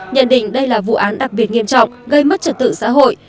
nhận định đây là vụ án đặc biệt nghiêm trọng gây mất trật tự xã hội